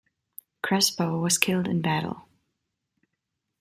Crespo was killed in battle.